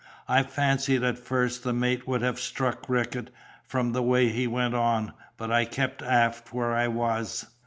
I fancied at first the mate would have struck Rickett, from the way he went on, but I kept aft where I was.